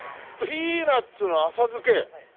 ピーナツの浅漬け？